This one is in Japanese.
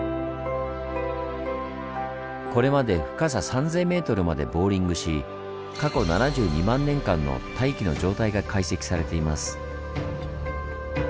これまで深さ３，０００ｍまでボーリングし過去７２万年間の大気の状態が解析されています。